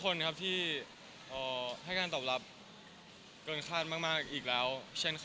ขอบคุณทุกคนที่ให้การตอบรับเกินฆาตมากอีกแล้วเช่นเคย